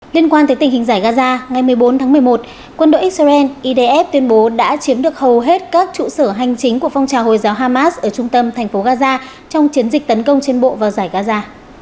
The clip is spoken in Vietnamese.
liên quan tới tình hình giải gaza ngày một mươi bốn tháng một mươi một quân đội israel idf tuyên bố đã chiếm được hầu hết các trụ sở hành chính của phong trào hồi giáo hamas ở trung tâm thành phố gaza trong chiến dịch tấn công trên bộ vào giải gaza